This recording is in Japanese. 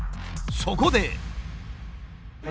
そこで。